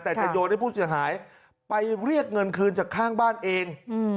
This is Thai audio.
แต่จะโยนให้ผู้เสียหายไปเรียกเงินคืนจากข้างบ้านเอง